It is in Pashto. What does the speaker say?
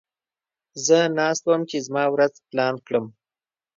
زه ناست وم چې زما ورځ پلان کړم.